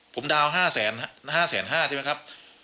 ผมดาวน์๕แสน๕ใช่มั้ยครับ